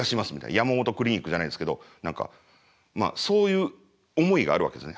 山本クリニックじゃないですけど何かそういう思いがあるわけですね。